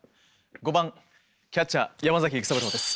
５番キャッチャー山崎育三郎です。